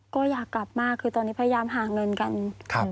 ก็อยากกลับมากคือตอนนี้พยายามหาเงินกัน